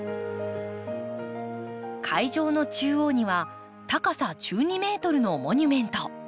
会場の中央には高さ１２ｍのモニュメント。